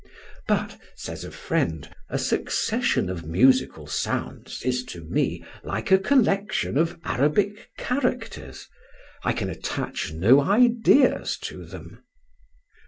But, says a friend, a succession of musical sounds is to me like a collection of Arabic characters; I can attach no ideas to them.